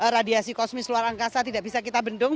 radiasi kosmis luar angkasa tidak bisa kita bendung